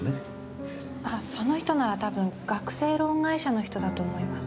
あその人なら多分学生ローン会社の人だと思います。